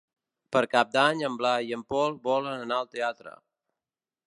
Per Cap d'Any en Blai i en Pol volen anar al teatre.